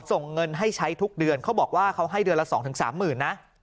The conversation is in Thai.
ส่งเงินให้ใช้ทุกเดือนเขาบอกว่าเขาให้เดือนละ๒๓๐๐๐นะ